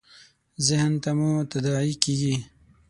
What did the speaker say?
ذهن ته مو تداعي کېږي .